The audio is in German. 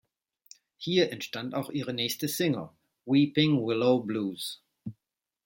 Hier entstand auch ihre nächste Single „Weeping Willow Blues“.